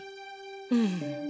うん。